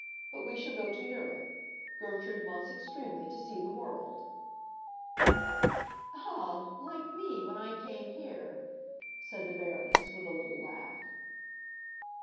But we shall go to Europe. Gertrude wants extremely to see the world." "Ah, like me, when I came here!" said the Baroness, with a little laugh.